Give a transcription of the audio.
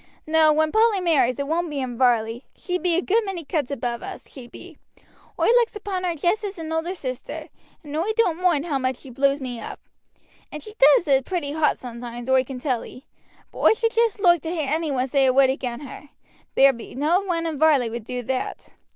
No, when Polly marries it won't be in Varley. She be a good many cuts above us, she be. Oi looks upon her jest as an elder sister, and oi doan't moind how much she blows me up and she does it pretty hot sometimes, oi can tell ee; but oi should just loike to hear any one say a word agin her; but there be no one in Varley would do that.